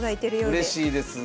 うれしいです。